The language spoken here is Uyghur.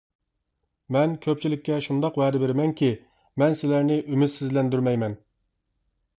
مەن كۆپچىلىككە شۇنداق ۋەدە بېرىمەنكى، مەن سىلەرنى ئۈمىدسىزلەندۈرمەيمەن.